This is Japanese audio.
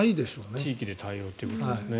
地域で対応ということですね。